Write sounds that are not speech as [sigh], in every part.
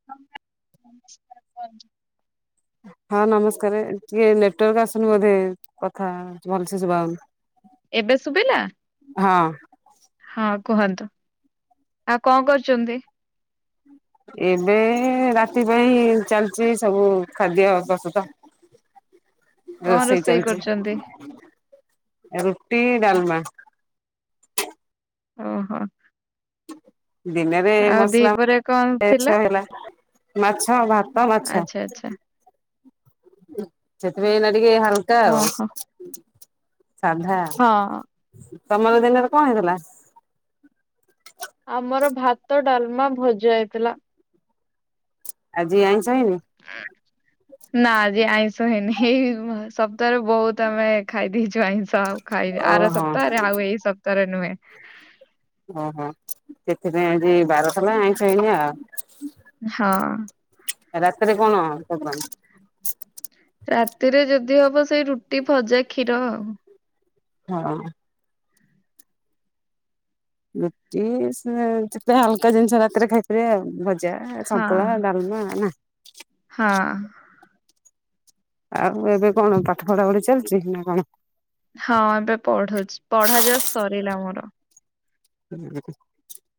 [unintelligible] ହଁ ନମସ୍କାରେ ଟିକେ ନେଟୱାର୍କ ଆସୁନି ବୋଧେ କଥା ଭଲସେ ଷୁବା ହଉନି। ଏବେ ଶୁବିଲା ହଁ। ହଁ କୁହନ୍ତୁ ଆଉ କଣ କରୁଛନ୍ତି? ଏବେ ରାତି ପାଇଁ ଚାଲିଚି ସବୁ ଖାଦ୍ୟ ପ୍ରସ୍ତୁତ କଣ ରୋଷେଇ କରୁଚନ୍ତି? ରୁଟି ଡାଲମା। ଓହୋ। ଦିନରେ ଆଉ ଦିପହରେ କଣ ଥିଲା ମସଲାଛ ହେଲା। ମାଛ ଭାତ ମାଛ ଆଚ୍ଛା ଆଚ୍ଛା। ସେଥିପାଇଁ ଏଇନା ଟିକେ ହାଲ କା ଆଉ ଓହୋ। ସାଧା ହଁ ତମର ଦିନରେ କଣ ହେଇଥିଲା? ଆମର ଭାତ ଡାଲମା ଭଜା ହେଇଥିଲା। ଆଜି ଆଇଁଷ ହେଇନି? [unintelligible] ନା ଆଜି ଆଇଁଷ ହେଇନି ଏଇ ସପ୍ତାହରେ ବହୁତ ଆମେ ଖାଇ ଦେଇଛୁ ଆଇଁ ସ ଆଉ ଖାଇ ଆର ଓହୋ ସପ୍ତାହରେ ଆଉ ଏଇ ସପ୍ତାହରେ ନୁହେଁ ଓହୋ ସେଥିପାଇଁ ଆଜି ବାର ଥିଲା ଆଇଁସ ହେଇନି ଆଉ। ହଁ। ରାତିରେ କଣ ପ୍ରୋଗ୍ରାମ୍? ରାତିରେ ଯଦି ହବ ସେଇ ରୁଟି ଭଜା କ୍ଷୀର ଆଉ। ହଁ। ରୁଟି ସେ ଯେତେ ହାଲକା ଜିନିଷ ରାତିରେ ଖାଇପାରିବେ ଆଉ ଭ ଜା ହଁ ସନ୍ତୁଳା ଡାଲମା ନା। ହଁ। ଆଉ ଏବେ କଣ ପାଠ ପଢା ପଢି ଚାଲିଛି ନା କଣ? ହଁ ଏବେ ପଢୁଛି ପଢା ଜଶ୍ ସରିଲା ମୋର। [unintelligible]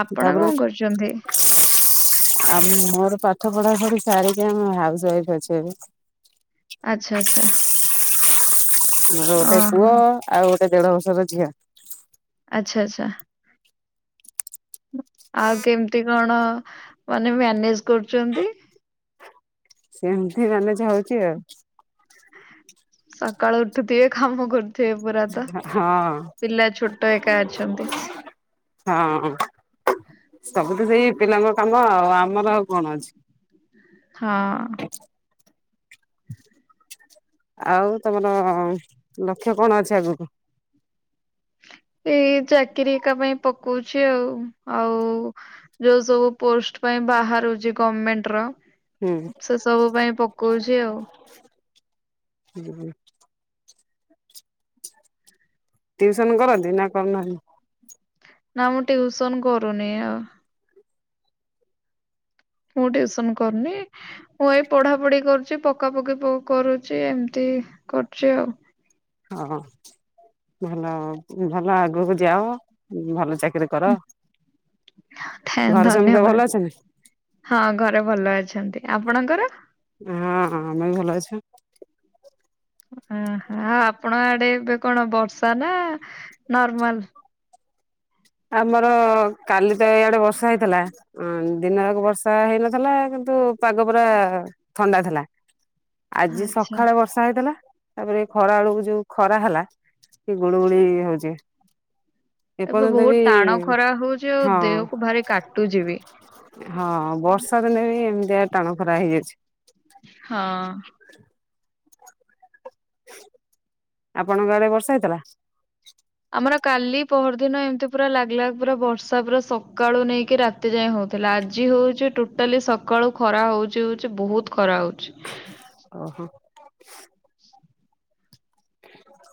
ଆପଣ କଣ କରୁଛନ୍ତି? ଆଉ ମୋର ପାଠ ପଢା ପଢି ସାରିକି ଆମ ହାଉସ୍ ୱାଇଫ ଅଛି ଏବେ। ଆଚ୍ଛା ଆଚ୍ଛା। ମୋର ଗୋଟେ ପୁଅ ଓହୋ ଆଉ ଗୋଟେ ଦେଢ ବର୍ଷର ଝିଅ। ଆଚ୍ଛା ଆଚ୍ଛା। ଆଉ କେମିତି କଣ ମାନେ ମ୍ୟାନେଜ କରୁଛନ୍ତି? ସେମିତି ମାନେ ହୋଉଛି ଆଉ। ସକାଳୁ ଉଠୁଥିବେ କାମ କରୁଥିବେ ପୁରା ତ ହଁ ପିଲା ଛୋଟ ଏକା ଅଛନ୍ତି। ହଁ ସବୁତ ସେଇ ପିଲାଙ୍କ କାମ ଆଉ ଆମର କଣ ଅଛି। ହଁ ଆଉ ତମର ଲକ୍ଷ୍ୟ କଣ ଅଛି ଆଗକୁ? ଏଇ ଚାକିରି କା ପାଇଁ ପକଉଛି ଆଉ ଆଉ ଯୋଉ ସବୁ ପୋଷ୍ଟ ପାଇଁ ବାହାରୁଛି ଗମେଣ୍ଟ ର। ସେ ସବୁ ପାଇଁ ପକଉଛି ଆଉ। [inaudible] ଟିଉସନ କରନ୍ତି ନା କରୁନାହା ନା ମୁଁ ଟିଉସନ କରୁନି ଆଉ। ମୁଁ ଟ୍ୟଉସନ କରୁନି ମୁଁ ଏଇ ପଢା ପଢି କରୁଛି ପକା ପକି ପୁ କରୁଛି ଏମିତି କରୁଛି ଆଉ। ହଁ। ଭଲ ଭଲ ଆଗକୁ ଯାଅ ଭଲ ଚାକିରି କର। ଥା ଘରେ ସମସ୍ତେ ଧନ୍ୟବାଦ ଭଲ ଅଛନ୍ତି? ହଁ ଘରେ ଭଲ ଅଛନ୍ତି ଆପଣଙ୍କର? ହଁ ଆମେ ବି ଭଲ ଅଛୁ। ଓହ ଆପଣ ଆଡେ ଏବେ କଣ ବର୍ଷା ନା ନର୍ମାଲ? ଆମର କାଲି ତ ଇଆଡେ ବର୍ଷା ହେଇଥିଲା। ଅ ଦିନ ଆକ ବର୍ଷା ହେଇନଥିଲା କିନ୍ତୁ ପାଗ ପୁରା ଥଣ୍ଡା ଥିଲା। ଆଜି ଆଚ୍ଛା ସଖାଳେ ବ ର୍ଷା ହେଇଥିଲା ତାପରେ ଏ ଖରା ବେଳକୁ ଯୋଉ ଖରା ହେଲା ଟି ଗୁଳୁ ଗୁଳି ହଉଚି। ଏବେ ଏପର୍ଜ ବହୁତ ଟାଣ ଖରା ହଉଚି ଆଉ ଦେହକୁ ଭାରି କାଟୁଚି ବି। ହଁ ବର୍ଷା ଦିନେ ବି ଏମିତିଆ ଟାଣ ଖରା ହେଇଅଛି। ହଁ। ଆପଣଙ୍କ ଆଡେ ବର୍ଷା ହେଇଥିଲା? ଆମର କାଲି ପହରଦିନ ଏମିତି ପୁରା ଲାଗ୍ ଲାଗ୍ ପୁରା ବର୍ଷା ପୁରା ସକାଳୁ ନେଇକି ରାତି ତି ଯାଏଁ ହଉଥିଲା ଆଜି ହଉଚି ଟୋଟାଲି ସକାଳୁ ଖରା ହଉଚି ହଉଚି ବହୁତ ଖରା ହଉଚି। ଓହୋ।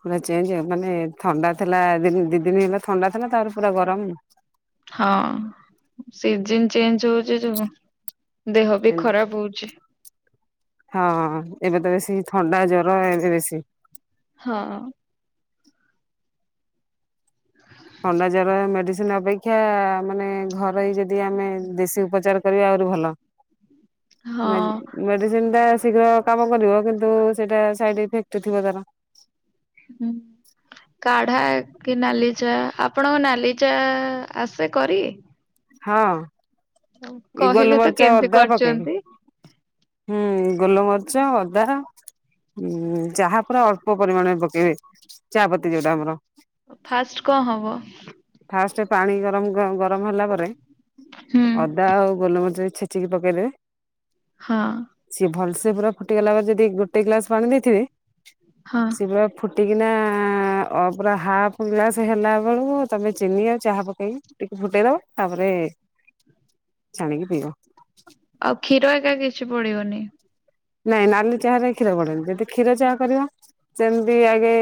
ପୁରା ଚେଞ୍ଜ ଆ ମାନେ ଥଣ୍ଡା ଥିଲା ଦି ଦି ଦିନ ହେଲା ଥଣ୍ଡା ଥିଲା ତା ପୁରା ଗରମ। ହଁ ସିଜିନ୍ ଚେଞ୍ଜ ହଉଚି ସବୁ ଦେହ ବି ଖରାପ ହଉଚି। ହଁ ଏବେ ତ ବେଶୀ ଥଣ୍ଡା ଜର ଏବେ ବେଶୀ। ହଁ। ଥଣ୍ଡା ଜର ମେଡିସିନ ଅପେକ୍ଷା ମାନେ ଘରେଇ ଯଦି ଆମେ ଦେଶୀ ଉପଚାର କରିବା ଆହୁରି ଭଲ। ଉଁ। ମେନ୍ ମେଡିସିନ୍ ଟା ଶୀଘ୍ର କାମ କରିବ କିନ୍ତୁ ସେଇଟା ସାଇଡ୍ ଇଫେକ୍ଟ ଥିବ ତାର। ହୁଁ। କାଢା କି ନାଲି ଚା ଆପଣଙ୍କ ନାଲିଚା ଆସେ କରି? ହଁ। ଏଇ କହିବେ ତ ଗୋଲମରିଚ କେମିତି ଅଦା ପକେଇବି କରୁଛନ୍ତି? ହୁଁ ଗୋଲମରିଚ ଅଦା ହୁଁ ଚାହା ପୁରା ଅଳ୍ପ ପରିମାଣରେ ପକେଇବେ, ଚାପତି ଯୋଉଟା ଆମର। ଫାଷ୍ଟ୍ କଂ ହବ। ଫାଷ୍ଟ୍ ପାଣି ଗରମ ଗଂ ଗରମ ହେଲା ପରେ ହୁଁ ଅ ଦା ଆଉ ଗୋଲମରିଚ ଛେଚିକି ପକେଇଦେବେ। ହଁ। ସିଏ ଭଲସେ ପୁରା ଫୁଟିଗଲା ପରେ ଯଦି ଗୋଟେ ଗ୍ଲାସ ପାଣି ଦେଇଥିବେ ହଁ। ସିଏ ପୁରା ଫୁଟିକିନା ଅ ପୁରା ହାଫ୍ ଗ୍ଲାସ୍ ହେଲା ବଳକୁ ତମେ ଚିନି ଆଉ ଚାହା ପକେଇକି ଟିକେ ଫୁଟେଇ ଦବ ତାପରେ ଛାଣିକି ପିଇବ। ଆଉ କ୍ଷୀର ଅରିକା କିଛି ପଡିବନି? ନାଇଁ ନାଲି ଚାହରେ କ୍ଷୀର ପଡେନି, ଯଦି କ୍ଷୀର ଚାହା କରିବ ସେମିତି ଆଗେ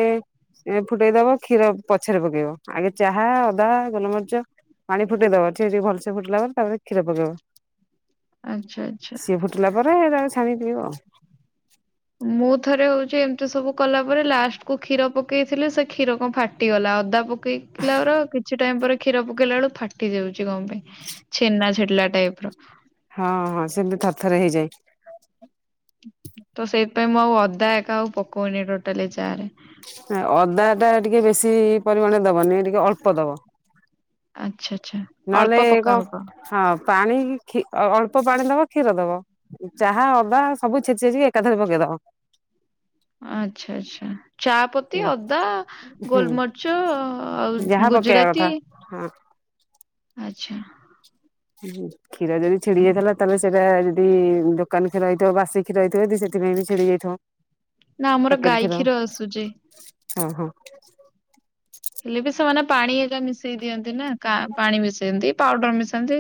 ଏଣେ ଫୁଟେଇଦବ କ୍ଷୀର ପଛରେ ପକେଇବ ଆଗେ ଚାହା, ଅଦା, ଗୋଲମରିଚ ପାଣି ଫୁଟେଇଦବ ଛିଜି ଭଲସେ ଫୁଟିଲା ପରେ ତାପରେ‌‌ କ୍ଷୀର ପକେଇବ। ଆଚ୍ଛା ଆଚ୍ଛା। ଟୁଲା ପରେ ତାକୁ ଛାଣି ପିିଇବ। ମୁଁ ଥରେ ହଉଛି ଏମିତି ସବୁ କଲା ପରେ ଲାଷ୍ଟ୍ କୁ କ୍ଷୀର ପକେଇଥିଲି ସେ କ୍ଷୀର କ ଫାଟିଗଲା ଅଦା ପ କେଇ ଥିଲାର କିଛି ଟାଇମ ପରେ କ୍ଷୀର ପକେଇଲା ବେଳୁ ଫାଟି ଯାଉଛି କଣ ପାଇଁ? ଛେନା ଛିଡିଲା ଟାଇପ୍ ର। ହଁ ହଁ ସେମିତି ଥରେ ଥରେ ହେଇଯାଏ। ତ ସେଇଥିପାଇଁ ମୁଁ ଆଉ ଅଦା ଏକା ଆଉ ପକଉନି ଟୋଟାଲି ଚାରେ। ଆଁ ଅଦା ଟା ଟିକେ ବେଶୀ ପରିମାଣରେ ଦବନି ଟିକେ ଅଳ୍ପ ଦବ। ଆଚ୍ଛା ଆଚ୍ଛା। ଅଳ୍ପ ନହେଲେ ପକା କ ହବ ହଁ ପାଣିକି ଖି ଅଅଳ୍ପ ପାଣି ଦବ କ୍ଷୀର ଦବ। ଚାହା ଅଦା ସବୁ ଛେଚିଛିଚିକି ଏକାଥରେ ପକେଇଦବ। ଆଛା ଆଚ୍ଛା। ଚା ପତି, ହୁଁ ଅଦା, ଗୋଲମରିଚ ଆଉ ଯାହା ପକେଇବା ଗୁଜୁରାତି କଥା। ହଁ ଆଚ୍ଛା। ହୁଁ। କ୍ଷୀର ଯଦି ଛିଡି ଯାଇଥିଲା ତାହେଲେ ସେଇଟା ଯଦି ଦୋକାନ କ୍ଷୀର ହେଇଥିବ ବାସି କ୍ଷୀର ହେଇଥିବ ଯେଦି ସେଥିପାଇଁ ବି ଛିଡି ଯାଇଥିବ। ନା ଆମର ପ୍ୟାକେଟ୍ ଗାଈ କ୍ଷୀର ଆସୁଛି। ହଁ ହଁ। ହେଲେ ବି ସେମାନେ ପାଣି ଏକା ମିଶେଇ ଦିଅନ୍ତି ନା କା ପାଣି ମିଶେନ୍ତି ପାଉଡର୍ ମିଶାନ୍ତି।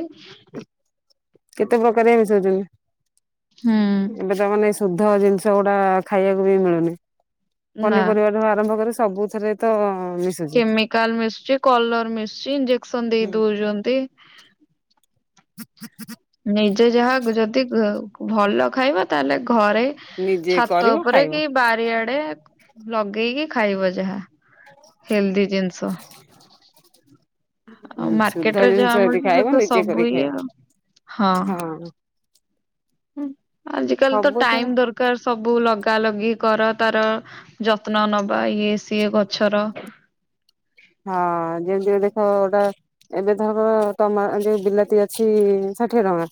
କେତେ ପ୍ରକାର ମିଶାଉଛନ୍ତି, ହୁଁ ଏବେ ତମନେ ଶୁଦ୍ଧ ଜିନିଷ ଗୁଡା ଖାଇବାକୁ ବି ମିଳୁନି। ନା ପନିପରିବା ଠୁ ଆରମ୍ଭ କରି ସବୁଥିରେ ତ ମିସ୍ କେମିକାଲ୍ ମିଶୁଚି କଲର୍ ମିଶଚି ଇଞ୍ଜେକ୍ସନ ଦେଇ ହୁଁ ଦଉଛନ୍ତି। ନିଜେ ଯାହା ଗଯଦି ଘ ଭଲ ଖାଇବ ତାହେଲେ ଘରେ ନିଜେ ଛାତ କରିବ ଉପରେ ଖାଇବ କି ବାରିଆଡେ ଲଗେଇକି ଖାଇବ ଯାହା, ହେଲ୍ଦି ଜିନଷ ଆଉ ଶୁଦ୍ଧ ମାର୍କେଟରେ ଜିନିଷ ଯାହା ଯଦି ମିଳ ସେ ଖାଇବ ତ ନିଜେ କରି ସବୁ ଇଏ ଖାଇବ ଆଉ। ହଁ। ହଁ ଆଜି କାଲି ତ ସବୁଠୁ ଟାଇମ ଦରକ୍ କାର ସବୁ ଲଗା ଲଗି କର ତାର ଯତ୍ନ ନବା ଇଏ ସିଏ ଗଛର। ହଁ ଅଁ ଯେମିତି ଦେଖ ଅଦା ଏବେ ଧର ତମ ଆ ବିଲାତି ଅଛି ଷାଠିଏ ଟଙ୍କା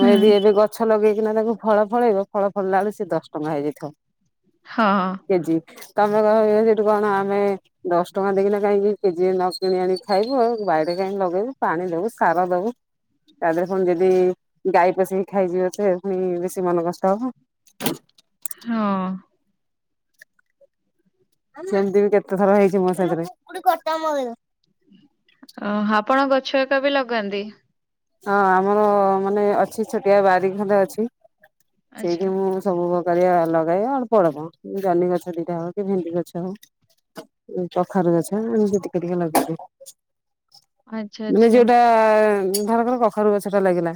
ହଁ। ଯଦି ଏବେ ଗଛ ଲଗେଇକିନା ତାଙ୍କୁ ଫଳ ଫଳେଇବ ଫଳ ଫଳିଲା ବେଳେକୁ ସେ ଦଶ ଟଙ୍କା ହେଇଯାଇଥିବ। ହଁ ଅଁ କେଜି ତମେ କହିବ ସେଠୁ କଣ ଆମେ ଦଶ ଟଙ୍କା ଦେଇ କିନା କାହିଁକି କେଜି ନ କିଣି ଆଣି ଖାଇବୁ ଆଉ ବାଇରେ କାହିଁକି ଲଗେଇବୁ ପାଣି ଦବୁ ସାର ଦବୁ ତା ଦେହରେ ପୁଣି ଯଦି ଗାଈ ପଶିକି ଖାଇଯିବ ଯେ ଫୁଣି ବେଶୀ ମନ କଷ୍ଟ ହବ ହଁ ଅଁ ସେମିତି ବି କେତେ ଥର ହେଇଛି ମୋ ସାଥିରେ ଓହୋ ଆପଣ ଗଛ ଏକା ବି ଲଗାନ୍ତି? ହଁ ଆମର ମାନେ ଅଛି ଛୋଟିଆ ବାରି ଖଣ୍ଡେ ଅଛି ଆଚ୍ଛା ସେଇଠି ମୁଁ ସବୁ ପ୍ରକାରିଆ ଲଗାଏ ଅଳ୍ପ ଅଳ୍ପ ଜହ୍ନି ଗଛ ଦିଟା ହଉ କି ଭେଣ୍ଡି ଗଛ ହଉ କଖାରୁ ଗଛ ଏମିତି ଟିକେ ଟିକେ ଲଗେଇ ଦିଏ। ଆଚ୍ଛା ମାନେ ଆଚ୍ଛା ଯୋଉଟା ଧରକର କଖାରୁ ଗଛ ଟା ଲାଗିଲା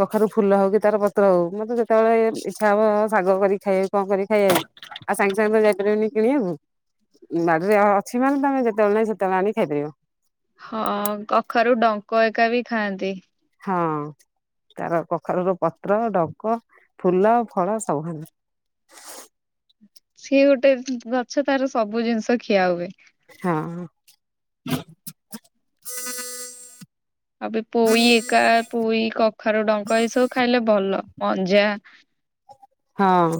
କଖାରୁ ଫୁଲ ହଉ କି ତାର ପତ୍ର ହଉ ମତେ ଯେତେବେଳେ ଇଚ୍ଛା ହବ ଶାଗ କରିକି ଖାଇବାକୁ କଣ କରିକି ଖାଇବାକୁ ଆଉ ସାଙ୍ଗେ ସାଙ୍ଗେ ତ ଯାଇପାରିବିନି କିଣି ବାକୁ ବାଡିରେ ଅଛି ମାନେ ତମେ ଯେତେବେଳେ ନାହିଁ ସେତେବେଳେ ଆଣି ଖାଇପାରିବ। ହଁ ଅଁ କଖାରୁ ଡଙ୍କ ଏକା ବି ଖାଆନ୍ତି। ହଁ ତାର କଖାରୁ ର ପତ୍ର, ଡଙ୍କ, ଫୁଲ, ଫଳ ସବୁ ସିଏ ଗୋଟେ ଗଛ ତାର ସବୁ ଜିନିଷ ଖିଆ ହୁଏ ହଁ ଅଁ ଆଉ ପୋଇ ଏକା ପୋଇ କଖାରୁ ଡଙ୍କ ଏ ସବୁ ଖାଇଲେ ଭଲ ମଞ୍ଜା [unintelligible] ହଁ ଅଁ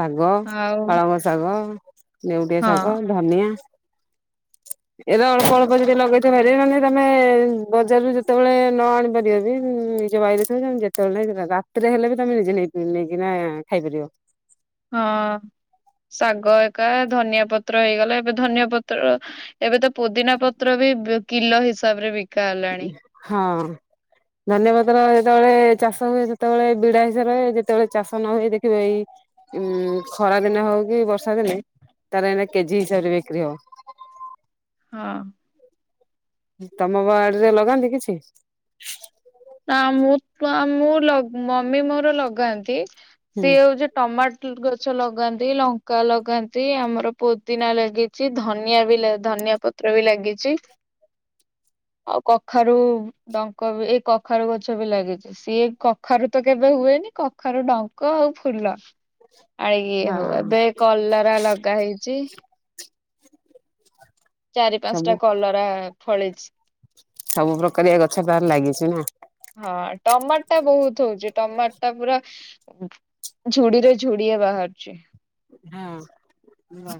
ଶାଗ ଆଉ ପାଳଙ୍ଗ ଶାଗ ଲେଉଟିଆ ହଁ ଶାଗ ଧନିଆ ଏବେ ଅଳ୍ପ ଅଳ୍ପ ଯଦି ଲଗେଇଥିବ ବାରିରେ ମାନେ ତମେ ବଜାରୁ ଯେତେବେଳେ ନ ଆଣି ପାରିବ ବି ନିଜ ବାଇ ରେ ଯେତେବେଳେ ନାଇଁ ରାତିରେ ହେଲେ ବି ତମେ ନିଜେ ନେଇ ନେଇଥିବା ଖାଇପାରିବ ହଁ ଶାଗ ଏକା ଧନିଆ ପତ୍ର ହେଇଗଲା ଏବେ ଧନିଆ ପତ୍ର ଅ ଏବେ ତ ପୋଦିନା ପତ୍ର ବି କିଲ ହିସାବରେ ବିକା ହେଲାଣି ହଁ ଅଁ ଧନିଆ ପତ୍ର ଯେତେବେଳେ ଚାଷ ହୁଏ ସେତେବେଳେ ବିଡା ହିସାବରେ ହୁଏ ଯେତେବେଳେ ଚାଷ ନ ହୁଏ ଦେଖିବ ଏଇ ଉଁ ଖରା ଦିନେ ହଉ କି ବର୍ଷା ଦିନେ ତାର ଏଇନେ କେଜି ହିସାବରେ ବିକ୍ରି ହବ ହଁ ଅଁ ତମ ବାଡ଼ିରେ ଲଗାନ୍ତି କିଛି ନା ମୁଁ ମୁଁ ଲଗ ମମି ମୋର ଲଗାନ୍ତି ହୁଁ ସିଏ ହଉଛି ଟମାଟ ଗଛ ଲଗାନ୍ତି ଲଙ୍କା ଲଗାନ୍ତି ଆମର ପୋଦିନା ଲାଗିଛି ଚି ଧନିଆ ବି ଧନିଆ ପତ୍ର ବି ଲାଗିଛି। ଆଉ କଖାରୁ ଡଙ୍କ ଵି ଏଇ କଖା କଖାରୁ ଗଛ ବି ଲାଗିଛି ସିଏ କଖାରୁ ତ କେବେ ହୁଏନି କଖାରୁ ଡଙ୍କ ଆଉ ଫୁଲ ଆଜ୍ଞା ହଉ ହଁ ଏବେ କଲରା ଲଗା ହେଇଛି। [unintelligible] ଚାରି ପାଞ୍ଚ ଟା ସବୁ କଲରା ଫଳିଛି ସବୁ ପ୍ରକାରିଆ ଗଛ ତାହେଲେ ଲାଗିଛି ନା। ହଁ ଟମାଟ ଟା ବହୁତ ହଉଚି ଟମାଟ ଟା ପୁରା ଝୁଡିରେ ଝୁଡିଏ ବାହାରୁଛି। ହଁ ଅଁ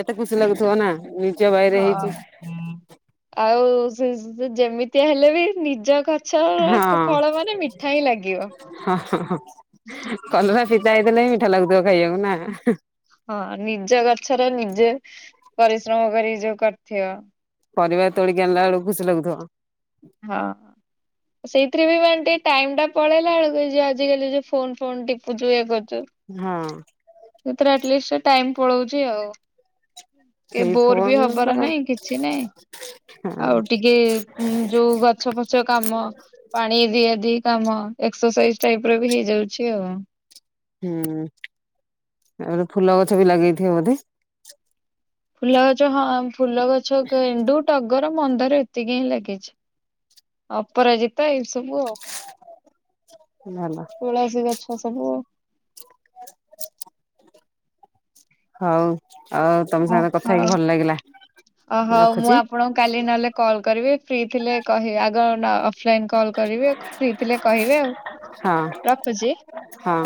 କେତେ ଖୁସି ଲାଗୁଥିବ ନା ନିଜ ବାଇରେହେଇଛି। ହଁ। ଆଉ ସୁନ ଯେମିତି ହେଲେ ବି ନିଜ ଘର ହଁ ଅଁ ଲାଗିବ। ହଁହଁ ଅଁ କଲରା ପିତା ହେଇଥିଲେ ଵି ମିଠା ଲାଗୁଥିବ ଖାଇବାକୁ ନା ହଁ ନିଜ ଗଛରେ ନିଜେ ପରିଶ୍ରମ କରି ଯୋଉ କରିଥିବ ପରିବା ତୋଳିକି ଆଣିଲା ବେଳକୁ ଖୁସି ଲାଗୁଥିବ। ହଁ। ସେଇଥିରେ ବି ମାନେ ଟିକେ ଟାଇମ ଟା ପଳେଇଲା ବେଳକୁ ଯ ଆଜିକାଲି ଯୋଉ ଫୋନ ଫୋନ୍ ଟିପୁଚୁ ଇଏ କରୁଚୁ। ହଁ। ଏଥିରେ ଆଟ୍ଲିଷ୍ଟ ଟାଇମ୍ ପଳଉଚି ଆଉ। କେ ସେଇ ବୋର ଫୋନ ବି ତ ହବାର ନାଇଁ ହଁ କିଛି ନାଇଁ ଆଉ ଟିକେ ଉଁ ଯୋଉ ଗଛ ଫଛ କାମ। ପାଣି ଦିଆ ଦି କାମ ଏକ୍ସରସାଇଜ ଟାଇପ ର ବି ହେଇଯାଉଛି ଆଉ। ହୁଁ। ତାପରେ ଫୁଲ ଗଛ ବି ଲାଗେଇଥିବ ବୋଧେ ଫୁଲ ଗଛ ହଁ ଫୁଲ ଗଛ ଗେଣ୍ଡୁ ଟଗର ମନ୍ଦାର ଏତିକି ହିଁ ଲାଗିଛି। ଅପରାଜିତା ଏଇ ସବୁ ଆଉ। ଭଲ ତୁଳସୀ ଗଛ ସବୁ ଆଉ ହଉ ଆଚ୍। ଓହୋ ଓହଉ ମୁଁ ରଖୁଛି ଆପଣଙ୍କୁ କାଲି ନଲେ କଲ୍ କରିବି ଫ୍ରି ଥିଲେ କହିବେ ଆଗ ଫ୍ଳେନ୍ କଲ୍ କରିବି ଫ୍ରି ଥିଲେ କହିବେ ଆଉ ହଁ ରଖୁଛି। ହଁ।